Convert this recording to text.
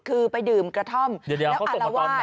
คือไปดื่มกระท่อมแล้วอารวาส